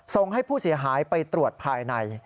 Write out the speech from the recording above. ส่งให้ผู้เสียหายไปตรวจภายใน